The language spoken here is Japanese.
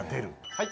はい。